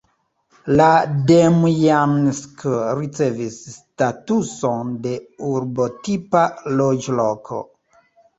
La Demjansk ricevis statuson de urbotipa loĝloko.